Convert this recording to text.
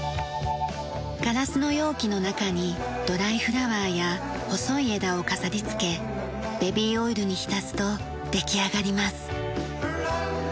ガラスの容器の中にドライフラワーや細い枝を飾り付けベビーオイルに浸すと出来上がります。